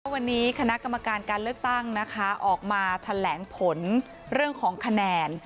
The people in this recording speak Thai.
วันนี้คณะกรรมการการเลือกตั้งนะคะออกมาแถลงผลเรื่องของคะแนน